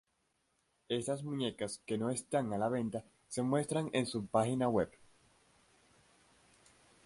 Estas muñecas, que no están a la venta, se muestran en su página web.